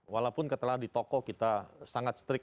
walaupun ketika di toko kita sangat strik